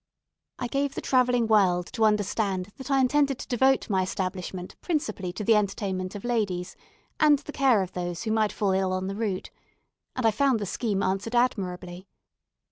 I gave the travelling world to understand that I intended to devote my establishment principally to the entertainment of ladies, and the care of those who might fall ill on the route, and I found the scheme answered admirably.